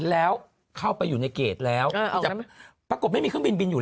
แล้วเข้าไปอยู่ในเกรดแล้วประกบไม่มีเคร่งบินบินอยู่